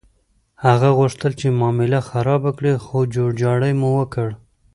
هغه غوښتل چې معامله خرابه کړي، خو جوړجاړی مو وکړ.